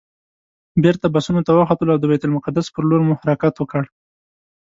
بېرته بسونو ته وختلو او د بیت المقدس پر لور مو حرکت وکړ.